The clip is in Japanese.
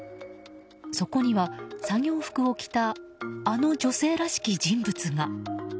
そこには、作業服を着たあの女性らしき人物が。